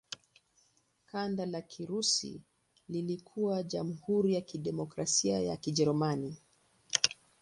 Kanda la Kirusi lilikuwa Jamhuri ya Kidemokrasia ya Kijerumani.